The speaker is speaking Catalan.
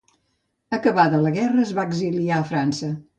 Acabada la guerra, es va exiliar a França.